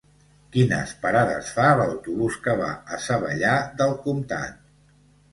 Quines parades fa l'autobús que va a Savallà del Comtat?